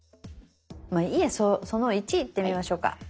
まあいいや「その１」いってみましょうか。